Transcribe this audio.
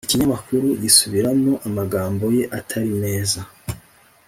ikinyamakuru gisubiramo amagambo ye atari meza